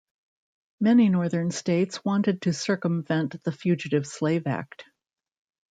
Many Northern states wanted to circumvent the Fugitive Slave Act.